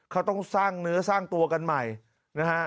เขาต้องสร้างเนื้อสร้างตัวกันใหม่นะฮะ